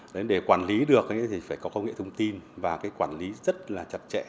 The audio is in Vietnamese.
đấy để quản lý được thì phải có công nghệ thông tin và cái quản lý rất là chặt chẽ